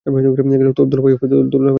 তোর দুলাভাই হবে।